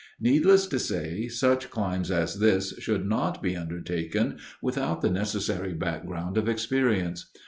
"Needless to say, such climbs as this should not be undertaken without the necessary background of experience.